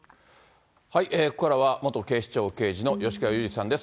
ここからは元警視庁刑事の吉川祐二さんです。